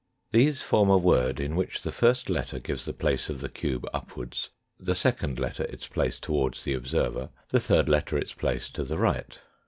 These form a word in which the first letter gives the place of the cube upwards, the second letter its place towards the observer, the third letter its place to the right.